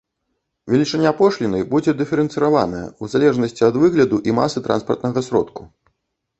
Велічыня пошліны будзе дыферэнцыраваная ў залежнасці ад выгляду і масы транспартнага сродку.